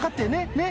ねっ？